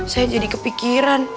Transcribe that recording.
saya jadi kepikiran